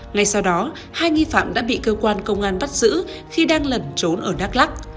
ngay sau đó hai nghi phạm đã bị cơ quan công an bắt giữ khi đang lẩn trốn ở đắk lắc